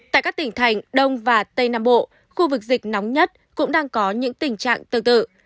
tại các tỉnh thành đông và tây nam bộ khu vực dịch nóng nhất cũng đang có những tình trạng tương tự